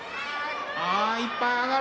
あいっぱい挙がる。